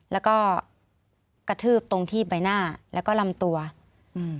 แล้วก็กระทืบตรงที่ใบหน้าแล้วก็ลำตัวอืม